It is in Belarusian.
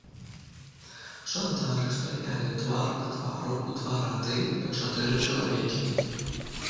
Жандары стаялі твар к твару ў два рады, па чатыры чалавекі.